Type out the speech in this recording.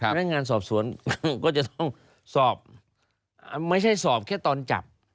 พนักงานสอบสวนก็จะต้องสอบไม่ใช่สอบแค่ตอนจับ